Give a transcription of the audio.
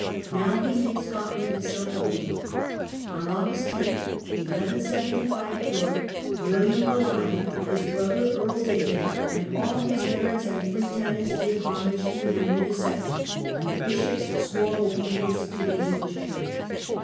Now he made Scotland itself a fief. On August lo, 1 1 7 5, at York, William the Lion, his brother Earl David, and all his barons and free tenants did homage to Henry H., and the bishops swore obedience to the English church.